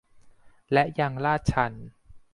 และยังลาดชัน